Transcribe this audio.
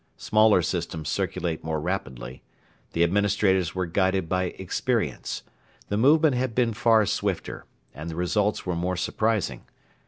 Smaller systems circulate more rapidly. The administrators were guided by experience. The movement had been far swifter, and the results were more surprising.